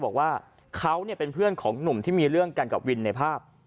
บอกว่าเขาเป็นเพื่อนของหนุ่มที่มีเรื่องกันกับวินในภาพ